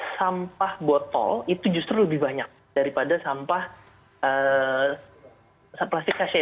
sampah botol itu justru lebih banyak daripada sampah plastik kaca